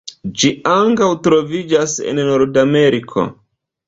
Ĝi ankaŭ troviĝas en Nordameriko.